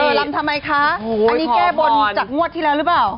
ลำทำไมคะอันนี้แก้บนจากงวดที่แล้วหรือเปล่า